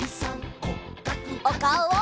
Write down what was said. おかおを！